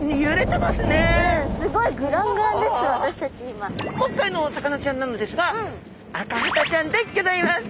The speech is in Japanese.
今回のお魚ちゃんなのですがアカハタちゃんでギョざいます。